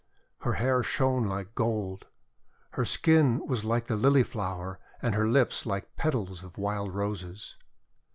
Her hair shone like gold. Her skin was like the Lily Flower, and her lips like petals of Wild Roses.